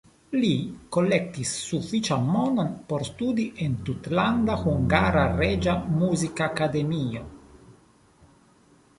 Li kolektis sufiĉan monon por studi en Tutlanda Hungara Reĝa Muzikakademio.